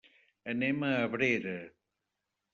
Anem a Abrera.